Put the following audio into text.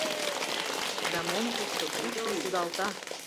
Да мом тушто — пуштын кудалта.